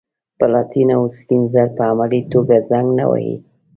پلاتین او سپین زر په عملي توګه زنګ نه وهي.